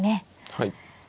はい。